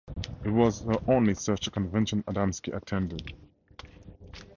It was the only such convention Adamski attended.